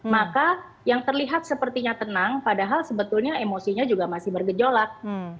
maka yang terlihat sepertinya tenang padahal sebetulnya emosinya juga masih bergejolak